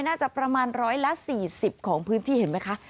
น่าจะประมาณ๑๔๐ของพื้นที่เห็นไหมคะ